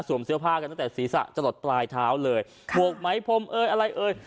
เสื้อผ้ากันตั้งแต่ศีรษะจะหลดปลายเท้าเลยหมวกไหมพรมเอยอะไรเอ่ย